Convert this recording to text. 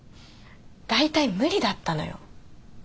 大体無理だったのよ。